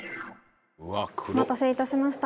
お待たせ致しました。